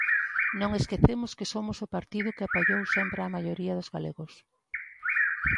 Non esquecemos que somos o partido que apoiou sempre a maioría dos galegos.